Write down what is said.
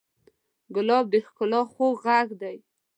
ګلاب د ښکلا خوږ غږ دی.